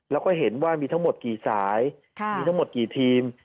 แล้วก็เห็นว่ามีทั้งหมดกี่สายมีทั้งหมดกี่ทีม